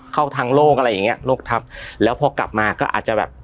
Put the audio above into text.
เข้าทางโลกอะไรอย่างเงี้โลกทัพแล้วพอกลับมาก็อาจจะแบบ